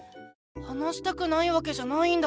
話したくないわけじゃないんだ！